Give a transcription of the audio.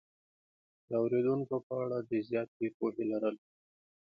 د اورېدونکو په اړه د زیاتې پوهې لرل